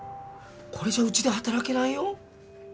これじゃうちで働けないよ。